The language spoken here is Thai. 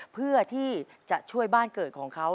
เพื่อที่จะช่วยบ้านเกิดของเขา